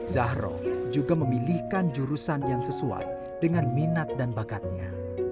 zahro juga memilihkan jurusan yang sesuai dengan minat dan bakatnya